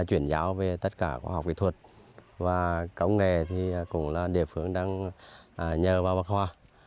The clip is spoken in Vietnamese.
chuyển giáo về tất cả khoa học kỹ thuật và công nghệ thì cũng là địa phương đang nhờ vào bắc hòa